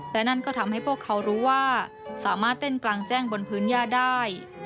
แต่นั่นก็ทำให้พวกเขารู้ว่าสามารถเต้นกลางแจ้งบนพื้นย่าได้